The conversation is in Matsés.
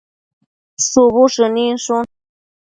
shubu shëninshun